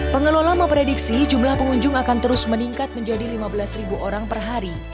pengelola memprediksi jumlah pengunjung akan terus meningkat menjadi lima belas orang per hari